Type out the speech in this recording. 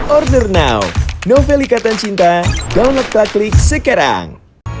order now novelikatan cinta download plaklik sekarang